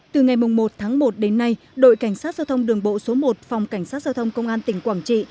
từ ngày một tháng một đến nay đội cảnh sát giao thông đường bộ số một phòng cảnh sát giao thông công an tỉnh quảng trị